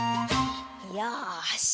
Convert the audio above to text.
よし！